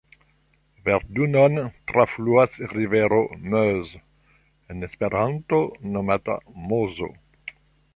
Verdun-on trafluas rivero Meuse, en Esperanto nomata Mozo.